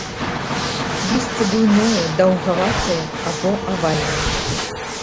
Лісце буйное даўгаватае або авальнае.